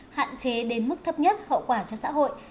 hạn chế đến mức thấp nhất hậu quả cho xã hội